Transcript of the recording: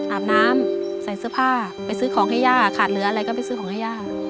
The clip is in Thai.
อาบน้ำใส่เสื้อผ้าไปซื้อของให้ย่าขาดเหลืออะไรก็ไปซื้อของให้ย่า